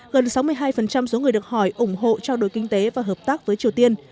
gần sáu mươi hai số người được hỏi ủng hộ trao đổi kinh tế và hợp tác với triều tiên